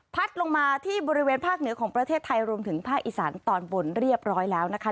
ลงมาที่บริเวณภาคเหนือของประเทศไทยรวมถึงภาคอีสานตอนบนเรียบร้อยแล้วนะคะ